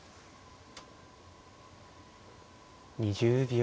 ２０秒。